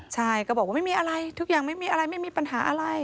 ใช่ก็บอกว่าไม่มีอะไรทุกอย่างไม่มีอะไรไม่มีปัญหาอะไร